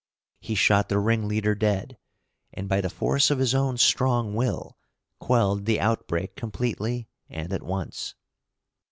He shot the ringleader dead, and by the force of his own strong will quelled the outbreak completely and at once.